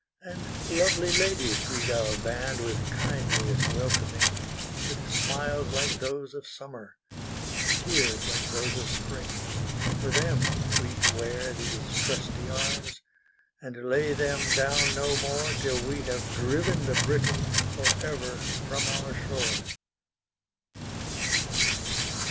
And lovely ladies greet our bandWith kindliest welcoming, With smiles like those of summer, And tears like those of spring. For them we wear these trusty arms, And lay them down no moreTill we have driven the Briton, Forever, from our shore.